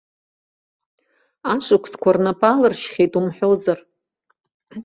Ашықәсқәа рнапы алыршьхьеит умҳәозар!